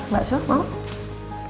mbak su mau